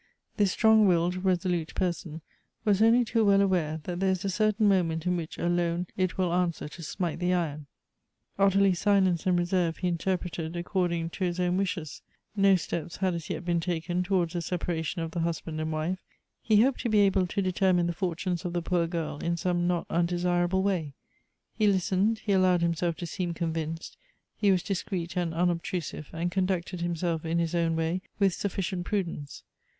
This strong willed, resolute person was only too well awai c that there is a certain moment in which alone it will answer to smite the iron. Ottilie's silence and reserve he interpreted according to his own wishes ; no stc])s had as yet been taken towards a separation of the husb.ind and wife. He hoped to be able to determine tlie fortunes of the poor girl in some not undesirable way. He listened, he allowed himself to seem convinced ; he was disci'eot and unobtrusive, and conducted himself in his own way with sufficient prudence.